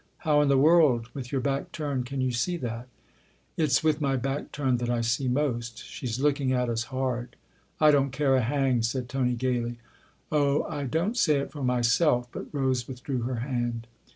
" How in the world, with your back turned, can you see that ?"" It's with my back turned that I see most. She's looking at us hard." " I don't care a hang !" said Tony gaily. " Oh, I don't say it for myself! " But Rose with drew her hand.